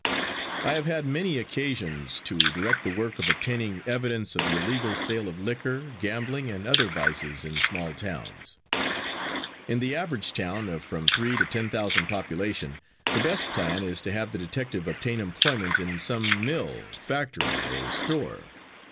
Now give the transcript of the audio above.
I have had many occasions to direct the work of obtaining evidence of the illegal sale of liquor, gambling and other vices in small towns. In the average town of from three to ten thousand population, the best plan is to have the detective obtain employment in some mill, factory or store.